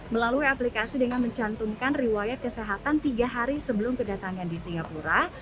melalui aplikasi dengan mencantumkan riwayat kesehatan tiga hari sebelum kedatangan di singapura